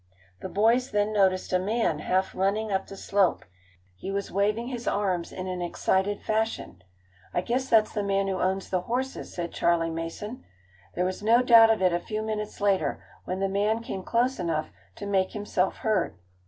The boys then noticed a man half running up the slope. He was waving his arms in an excited fashion. "I guess that's the man who owns the horses," said Charley Mason. There was no doubt of it a few minutes later, when the man came close enough to make himself heard.